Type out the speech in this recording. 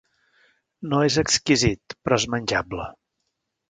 No és exquisit, però és menjable.